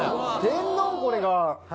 天丼⁉これが。